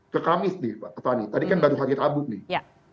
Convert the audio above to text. ke kamis nih pak fani tadi kan baru hari rabu nih